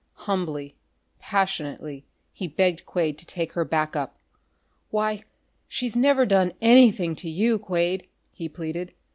Humbly, passionately, he begged Quade to take her back up. "Why, she's never done anything to you, Quade!" he pleaded.